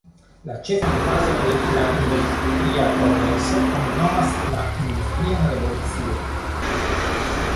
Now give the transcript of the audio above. La ĉefan fazon de la industria progreso oni nomas la industrian revolucion.